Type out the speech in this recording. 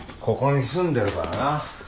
ここに住んでるからな。